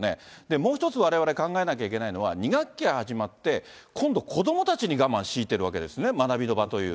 もう一つわれわれ考えなきゃいけないのは２学期が始まって、今度子どもたちに我慢強いてるわけですね、学びの場という。